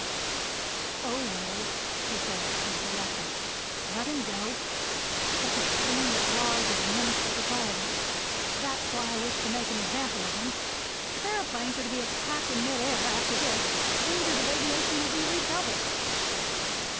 "Oh, well," he said, with reluctance, "let him go. Such a fiend, at large, is a menace to society. That is why I wished to make an example of him. If aëroplanes are to be attacked in mid air, after this, the dangers of aviation will be redoubled."